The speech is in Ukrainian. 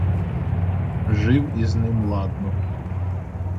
Жив із ним ладно.